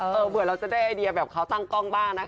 เผื่อเราจะได้ไอเดียแบบเขาตั้งกล้องบ้างนะคะ